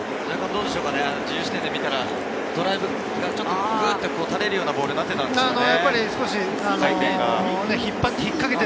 自由視点で見たらドライブがちょっとぐっと流れるようなボールになっていたんですかね？